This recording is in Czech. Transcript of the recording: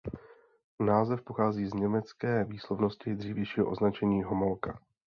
Název pochází z německé výslovnosti dřívějšího označení "Homolka".